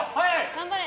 頑張れ！